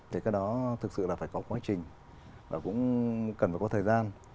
thì cái đó thực sự là phải có quá trình và cũng cần phải có thời gian